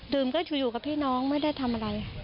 ก็อยู่กับพี่น้องไม่ได้ทำอะไร